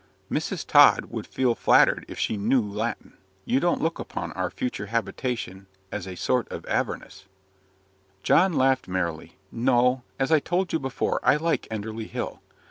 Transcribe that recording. "Mrs. Tod would feel flattered if she knew Latin. You don't look upon our future habitation as a sort of Avernus?" John laughed merrily. "No, as I told you before, I like Enderley Hill.